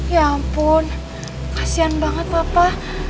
ya ampun kasihan banget papa